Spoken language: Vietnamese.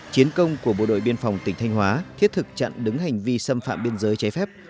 chiến công của bộ đội biên phòng tỉnh thanh hóa thiết thực chặn đứng hành vi xâm phạm biên giới trái phép